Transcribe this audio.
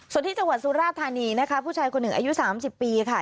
ส่วนที่จังหวัดสุราธานีนะคะผู้ชายคนหนึ่งอายุ๓๐ปีค่ะ